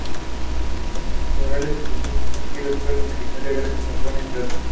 Sus murales y lienzos han sido expuestos en Italia, Grecia, Japón, entre otros.